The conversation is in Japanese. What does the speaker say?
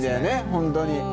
本当に。